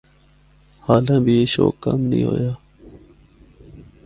حالاں بھی اے شوق کم نیں ہویا۔